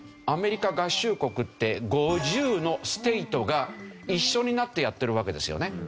アメリカ合衆国って５０のステートが一緒になってやってるわけですよね。